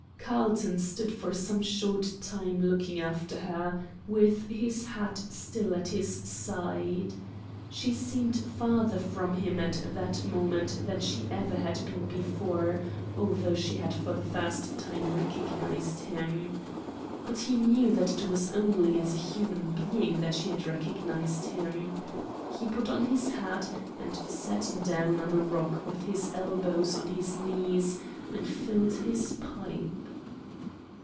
Carlton stood for some short time looking after her, with his hat still at his side. She seemed farther from him at that moment than she had ever been before, although she had for the first time recognized him. But he knew that it was only as a human being that she had recognized him. He put on his hat, and sat down on a rock with his elbows on his knees, and filled his pipe.